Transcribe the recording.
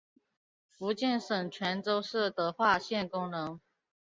福建省泉州市德化县工人。